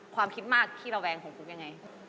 ความคิดมากขี้ระแวงของคุณยังไง